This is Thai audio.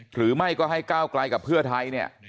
หรือไม่ก็ให้ก้าวไกลกับเพื่อไทยเนี่ย